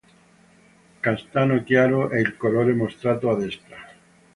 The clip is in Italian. Castano chiaro è il colore mostrato a destra.